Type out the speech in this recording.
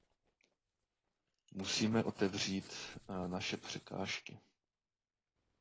Musíme otevřít naše překážky.